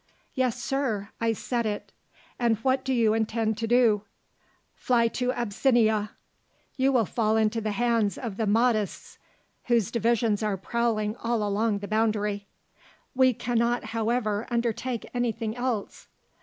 "Yes, sir. I said it." "And what do you intend to do?" "Fly to Abyssinia." "You will fall into the hands of the Mahdists; whose divisions are prowling all along the boundary." "We cannot, however, undertake anything else."